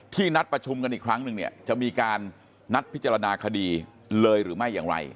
นัดประชุมกันอีกครั้งหนึ่งเนี่ยจะมีการนัดพิจารณาคดีเลยหรือไม่อย่างไร